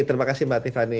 terima kasih mbak tiffany